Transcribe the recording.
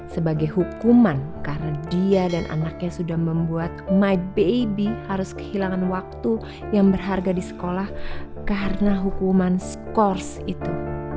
sebagai hukuman karena dia dan anaknya sudah membuat mide baby harus kehilangan waktu yang berharga di sekolah karena hukuman skors itu